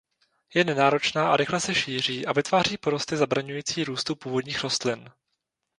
Je nenáročná a rychle se šíří a vytváří porosty zabraňující růstu původních rostlin.